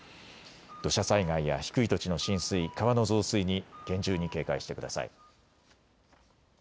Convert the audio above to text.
土砂災害や低い土地の浸水、川の増水に厳重に警戒してください。